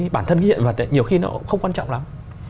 bản thân hiện vật nhiều khi nó không quan trọng lắm